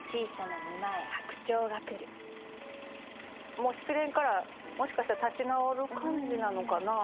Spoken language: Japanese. もう失恋からもしかしたら立ち直る感じなのかな。